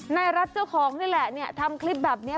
นายรัฐเจ้าของนี่แหละเนี่ยทำคลิปแบบเนี่ย